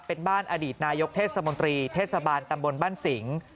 เป็นบ้านอดีตนายกเทศมนตรีเทศบาลตำบลบ้านสิง